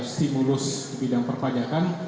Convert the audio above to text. stimulus bidang perpajakan